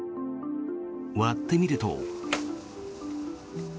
割ってみると。